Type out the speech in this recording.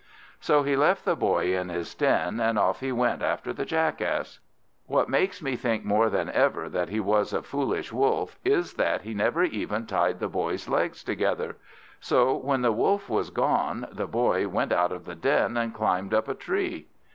So he left the Boy in his den, and off he went after the Jackass. What makes me think more than ever that he was a foolish Wolf, is that he never even tied the Boy's legs together. So when the Wolf was gone, the Boy went out of the den, and climbed up a tree.